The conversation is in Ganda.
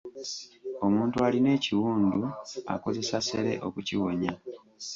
Omuntu alina ekiwundu akozesa ssere okukiwonya.